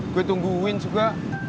gue tungguin juga